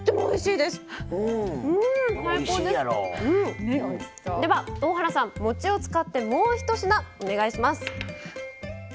では大原さんもちを使ってもうひと品お願いします。